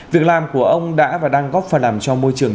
việc làm của ông đã và đang góp phần làm cho môi trường